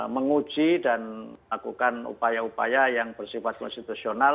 menguji dan melakukan upaya upaya yang bersifat konstitusional